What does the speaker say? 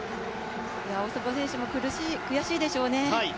大迫選手も悔しいでしょうね。